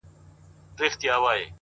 o خدای زموږ معبود دی او رسول مو دی رهبر،